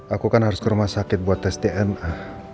aku kan harus ke rumah sakit buat tes dna